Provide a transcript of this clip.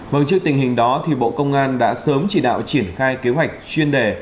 vâng trước tình hình đó bộ công an đã sớm chỉ đạo triển khai kế hoạch chuyên đề